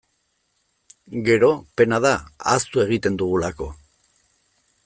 Gero, pena da, ahaztu egiten dugulako.